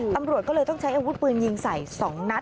ตำรวจก็เลยต้องใช้อาวุธปืนยิงใส่๒นัด